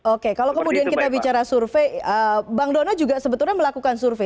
oke kalau kemudian kita bicara survei bang dona juga sebetulnya melakukan survei